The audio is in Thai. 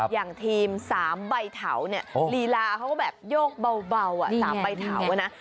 อย่างทีม๓ใบเถาเนี่ยลีลาเขาก็แบบโยกเบา๓ใบเถานะ